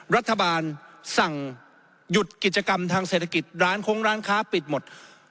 รัฐบาลสั่งหยุดกิจกรรมทางเศรษฐกิจร้านโค้งร้านค้าปิดหมด